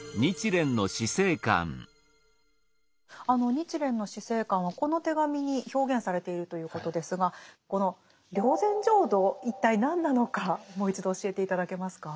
日蓮の死生観はこの手紙に表現されているということですがこの霊山浄土一体何なのかもう一度教えて頂けますか？